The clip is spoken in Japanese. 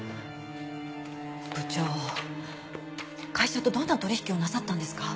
部長会社とどんな取引をなさったんですか？